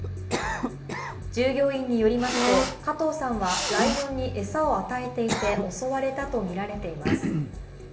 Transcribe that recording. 従業員によりますと加藤さんはライオンに餌を与えていて襲われたとみられています。